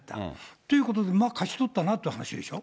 ということで、うまく勝ち取ったなっていう話でしょう。